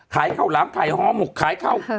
ขายเข้าร้ำขายห้อหมุกขายเข้า